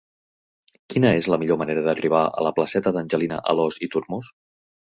Quina és la millor manera d'arribar a la placeta d'Angelina Alòs i Tormos?